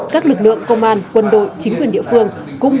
các lực lượng công an quân đội chính quyền địa phương